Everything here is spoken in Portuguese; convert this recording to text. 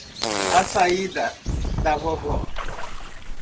A saída da vovó